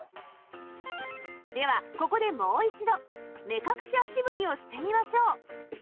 ではここでもう一度目隠し足踏みをしてみましょう